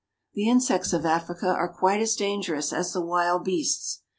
The insects of Africa are quite as dangerous as the wild beasts.